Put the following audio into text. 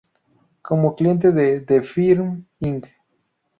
Como cliente de The Firm, Inc.